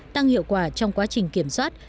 tăng hiệu quả trong quá trình kiểm soát